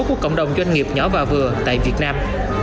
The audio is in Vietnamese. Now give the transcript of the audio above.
của cộng đồng doanh nghiệp nhỏ và vừa tại việt nam